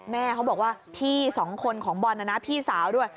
แม่เขาบอกว่าพี่สองคนของบอลนะนะพี่สาวด้วย